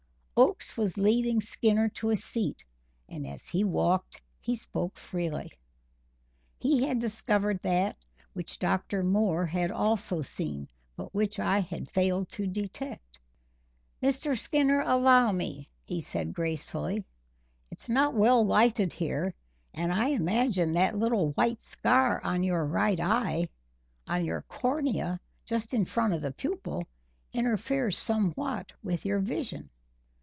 Oakes was leading Skinner to a seat, and as he walked, he spoke freely. He had discovered that which Dr. Moore had also seen, but which I had failed to detect. "Mr. Skinner, allow me," said he, gracefully. "It's not well lighted here; I imagine that little white scar on your right eye on your cornea, just in front of the pupil interferes somewhat with your vision."